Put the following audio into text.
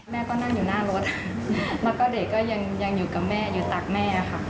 แม่ก็นั่งอยู่หน้ารถแล้วก็เด็กก็ยังอยู่กับแม่อยู่ตักแม่ค่ะ